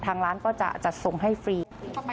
ทางร้านก็จะจัดส่งให้ฟรี